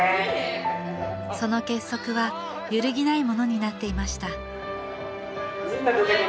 その結束は揺るぎないものになっていました